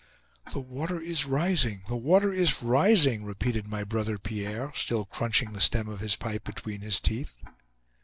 "The water is rising; the water is rising!" repeated my brother Pierre, still crunching the stem of his pipe between his teeth.